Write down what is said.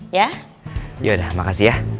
yaudah makasih ya